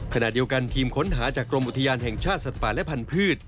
ขณะเดียวกันทีมค้นหาจากกรมอุทยานแห่งชาติสัตว์ป่าและพันธุ์